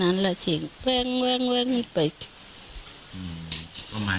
แบบว่ากินเรื่องอะไรที่นี่หรือ